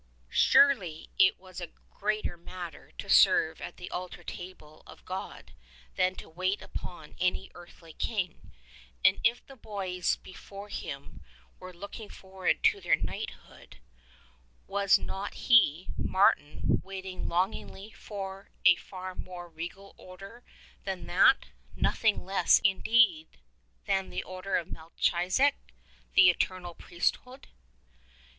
Surely it was a greater matter to serve at the altar table of God than to wait upon any earthly king. And if the boys be fore him were looking forward to their knighthood, was not he, Martin, waiting longingly for a far more regal order than that — nothing less indeed than the order of Melchise dech, the eternal priesthood